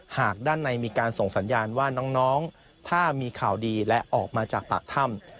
หากด้านในมีการส่งสัญญาณว่าน้องถ้ามีข่าวดีและออกมาจากปากถ้ำ